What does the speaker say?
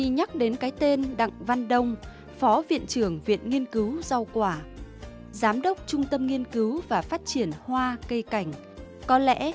các bạn hãy đăng ký kênh để ủng hộ kênh của chúng mình nhé